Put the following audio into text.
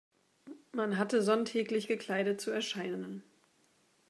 Man hatte sonntäglich gekleidet zu erscheinen.